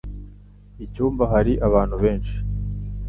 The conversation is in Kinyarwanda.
Icyumba hari abantu benshi.